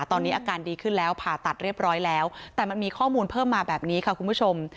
ตอนนี้อาการดีขึ้นแล้วผ่าตัดเรียบร้อยแล้วแต่มันมีข้อมูลเพิ่มมาแบบนี้ค่ะคุณผู้ชม